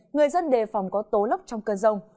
người dân đề phòng có tố lốc trong cơn rông